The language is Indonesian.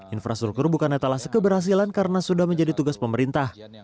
infrastruktur bukannya taklah sekeberhasilan karena sudah menjadi tugas pemerintah